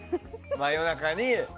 真夜中に。